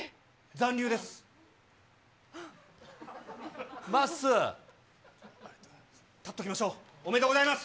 残留です。